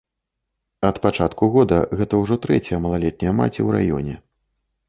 Ад пачатку года гэта ўжо трэцяя малалетняя маці ў раёне.